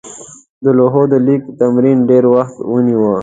د لوحو د لیک تمرین ډېر وخت ونیوه.